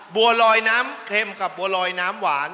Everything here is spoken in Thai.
บัวลอยน้ำเค็มกับบัวลอยน้ำหวาน